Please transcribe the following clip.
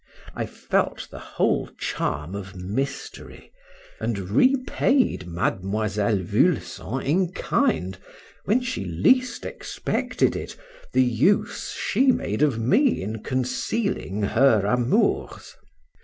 I felt the whole charm of mystery, and repaid Miss Vulson in kind, when she least expected it, the use she made of me in concealing her amours.